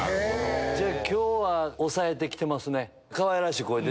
じゃあ今日は抑えて来てますね。